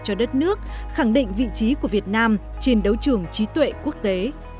cho đất nước khẳng định vị trí của việt nam trên đấu trường trí tuệ quốc tế